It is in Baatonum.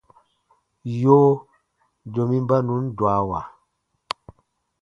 Yoo, domi ba nùn dwawa.